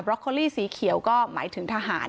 โคลี่สีเขียวก็หมายถึงทหาร